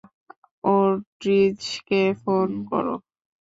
অর্টিজকে phone করো।